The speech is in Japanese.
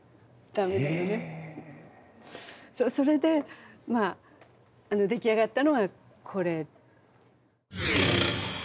それでまあ出来上がったのがこれ。